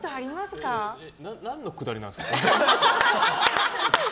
何のくだりなんですか？